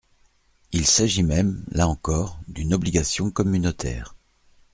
Il s’agit même, là encore, d’une obligation communautaire.